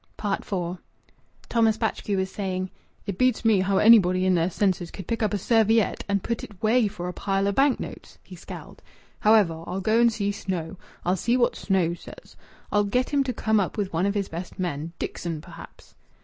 IV Thomas Batchgrew was saying "It beats me how anybody in their senses could pick up a serviette and put it way for a pile o' bank notes." He scowled. "However, I'll go and see Snow. I'll see what Snow says. I'll get him to come up with one of his best men Dickson, perhaps."